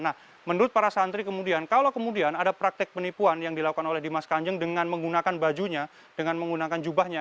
nah menurut para santri kemudian kalau kemudian ada praktek penipuan yang dilakukan oleh dimas kanjeng dengan menggunakan bajunya dengan menggunakan jubahnya